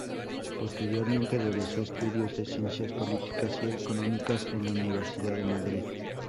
Posteriormente realizó estudios de ciencias políticas y económicas en la Universidad de Madrid.